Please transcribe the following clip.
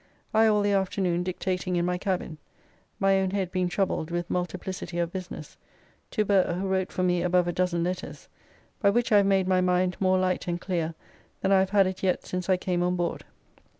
I all the afternoon dictating in my cabin (my own head being troubled with multiplicity of business) to Burr, who wrote for me above a dozen letters, by which I have made my mind more light and clear than I have had it yet since I came on board.